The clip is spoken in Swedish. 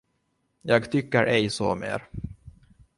Jag tycker ej så mer.